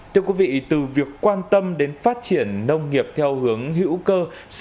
thưa quý vị từ việc quan tâm đến phát triển nông nghiệp theo hướng hữu cơ